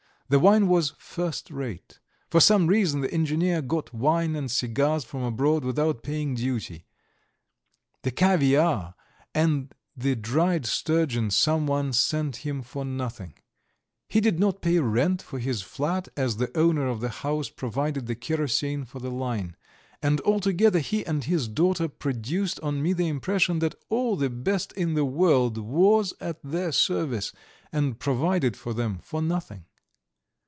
The wine was first rate. For some reason the engineer got wine and cigars from abroad without paying duty; the caviare and the dried sturgeon someone sent him for nothing; he did not pay rent for his flat as the owner of the house provided the kerosene for the line; and altogether he and his daughter produced on me the impression that all the best in the world was at their service, and provided for them for nothing.